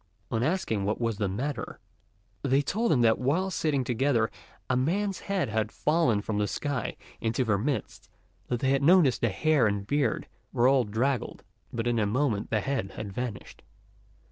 On asking what was the matter, they told him that while sitting together a man's head had fallen from the sky into their midst; that they had noticed the hair and beard were all draggled, but in a moment the head had vanished.